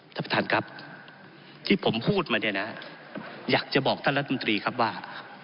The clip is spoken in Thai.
ท่านประธานครับที่ผมพูดมาเนี่ยนะอยากจะบอกท่านรัฐมนตรีครับว่า